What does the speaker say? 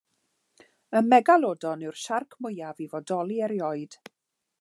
Y megalodon ydi'r siarc mwyaf i fodoli erioed.